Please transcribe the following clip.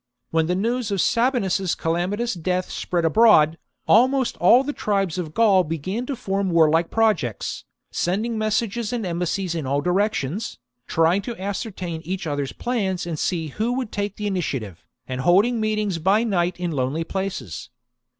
When the news of Sabinus's calamitous death Gallic tribes continue to spread abroad, almost all the tribes of Gaul intrigue. began to form warlike projects, sending messages and embassies in all directions, trying to ascertain each other's plans and see w^ho would take the initiative, and holding meetings by night in lonely places.